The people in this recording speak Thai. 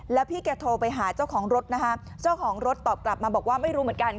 แล้วพี่แกโทรไปหาเจ้าของรถนะคะเจ้าของรถตอบกลับมาบอกว่าไม่รู้เหมือนกัน